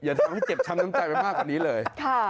ทำให้เจ็บช้ำน้ำใจไปมากกว่านี้เลย